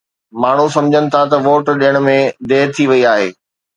ماڻهو سمجهن ٿا ته ووٽ ڏيڻ ۾ دير ٿي وئي آهي.